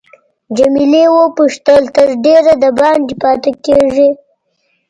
جميله وپوښتل تر ډېره دباندې پاتې کیږې.